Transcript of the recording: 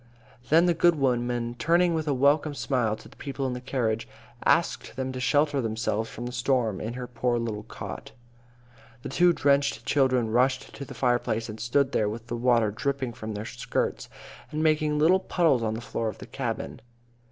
Then the good woman, turning with a welcome smile to the people in the carriage, asked them to shelter themselves from the storm in her poor little cot. The two drenched children rushed to the fireplace and stood there with the water dripping from their skirts and making little puddles on the floor of the cabin.